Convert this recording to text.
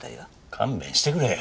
勘弁してくれよ。